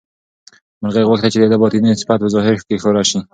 مرغۍ غوښتل چې د ده باطني صفت په ظاهر ښکاره شي.